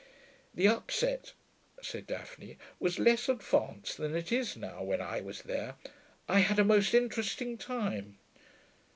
'The upset,' said Daphne, 'was less advanced than it is now, when I was there. I had a most interesting time....'